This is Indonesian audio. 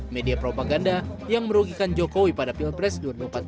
media propaganda yang merupakan penyelidikan